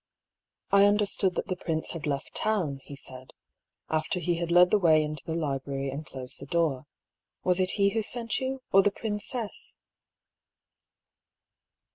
" I understood that the prince had left town," he said, after he had led the way into the library and HER DREAM. 225 closed the door. " Was it he who sent you, or the princess